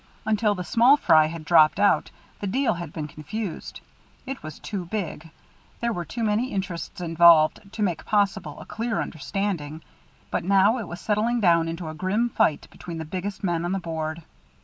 Until the small fry had dropped out the deal had been confused; it was too big, there were too many interests involved, to make possible a clear understanding, but now it was settling down into a grim fight between the biggest men on the Board.